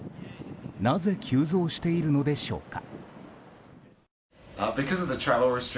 なぜ急増しているのでしょうか。